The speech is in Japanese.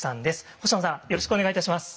星野さんよろしくお願いいたします。